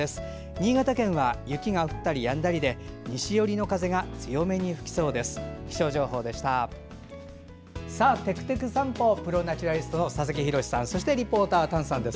新潟県は雪が降ったりやんだりで西寄りの風が強めに吹きそうです。